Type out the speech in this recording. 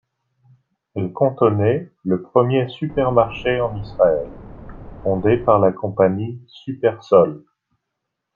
Elle contenait le premier supermarché en Israël, fondé par la compagnie Supersol.